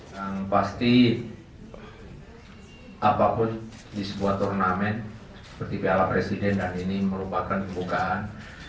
yang pasti apapun di sebuah turnamen seperti piala presiden dan ini merupakan pembukaan